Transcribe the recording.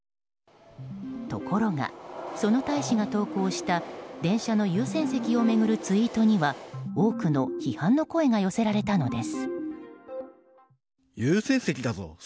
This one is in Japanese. ところが、その大使が投稿した電車の優先席を巡るツイートには多くの批判の声が寄せられたのです。